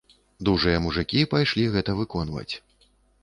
Дужыя мужыкі пайшлі гэта выконваць.